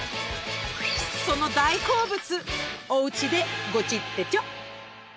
その大好物おうちでゴチってちょ。